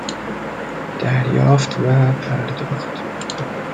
دریافت و پرداخت